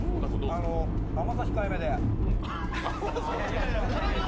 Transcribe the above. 甘さ控えめで。